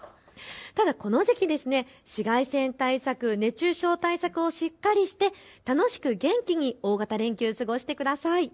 ただこの時期、紫外線対策、熱中症対策をしっかりして楽しく元気に大型連休を過ごしてください。